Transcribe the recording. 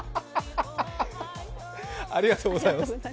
ありがとうございます。